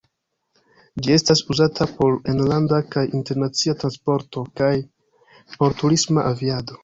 Ĝi estas uzata por enlanda kaj internacia transporto kaj por turisma aviado.